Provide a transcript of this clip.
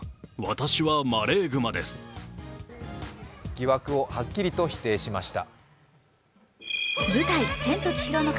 疑惑をはっきりと否定しました。